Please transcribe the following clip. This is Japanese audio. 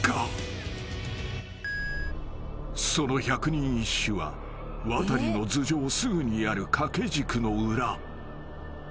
［その百人一首はワタリの頭上すぐにある掛け軸の裏］